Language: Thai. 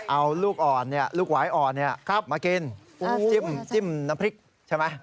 เอาลูกอ่อนลูกหวายอ่อนมากินจิ้มน้ำพริกใช่ไหม